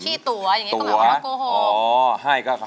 ตัวอย่างนี้ก็หมายความว่าโกหก